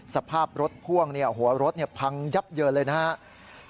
สภาพรถพ่วงหัวรถพังยับเยินเลยนะครับ